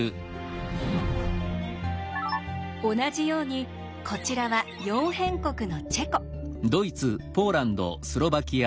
同じようにこちらは「四辺国」のチェコ。